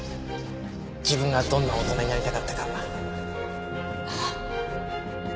自分がどんな大人になりたかったか。